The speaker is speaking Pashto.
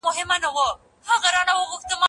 لياقت ته ارزښت ورکړئ.